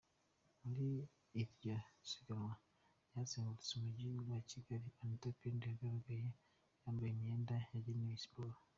Muri iryo siganwa ryazengurutse Umujyi wa Kigali, Anita Pendo yagaragaye yambaye imyenda yagenewe siporo.